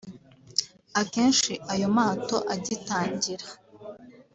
Akenshi ayo mato agitangira